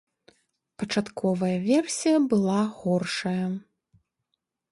Пачатковая версія была горшая.